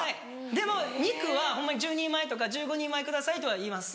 でも肉はホンマに１０人前とか１５人前くださいとは言います。